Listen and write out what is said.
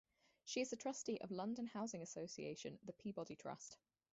She is a Trustee of London Housing Association the Peabody Trust.